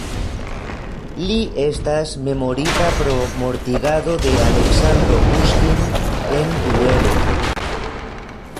Li estas memorita pro mortigado de Aleksandro Puŝkin en duelo.